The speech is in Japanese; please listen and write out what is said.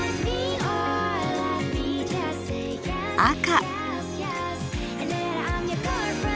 赤。